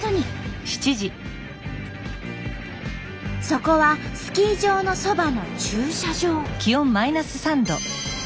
そこはスキー場のそばの駐車場。